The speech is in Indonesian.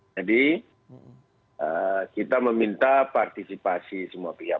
jadi kita meminta partisipasi semua pihak